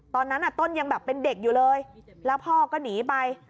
ตอนนั้นต้นยังแบบเป็นเด็กอยู่เลยแล้วพ่อก็หนีไป